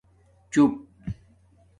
چُپ